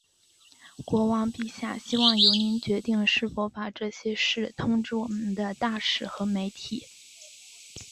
国王陛下希望由您决定是否把这些事通知我们的大使和媒体。